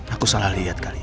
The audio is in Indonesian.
aku salah liat kali ya